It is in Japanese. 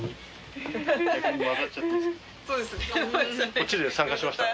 こっちで参加しました。